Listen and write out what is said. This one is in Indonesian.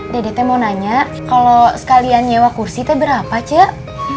dede mau nanya kalau sekalian sewa kursi berapa cak